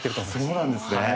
そうなんですね。